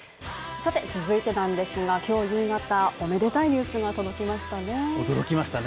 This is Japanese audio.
さて、続いてなんですが今日夕方、おめでたいニュースが届きましたね